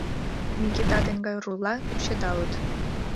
Микита ден Гайрулла кучедалыт.